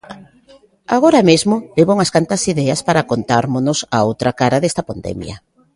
Agora mesmo leva unhas cantas ideas para contármonos a outra cara desta pandemia.